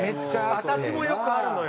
私もよくあるのよ！